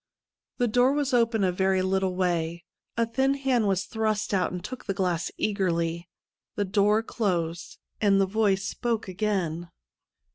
The door was opened a very little way. A thin hand was thrust out and took the glass eagerly. The door closed, and the voice spoke again.